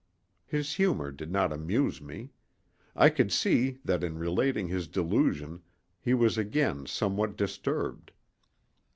His humor did not amuse me. I could see that in relating his delusion he was again somewhat disturbed.